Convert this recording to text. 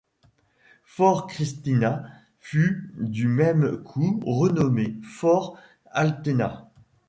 Fort Christina fut du même coup, renommé Fort Altena.